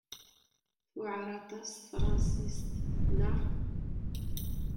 Tewɛeṛ aṭas tefṛensist, naɣ?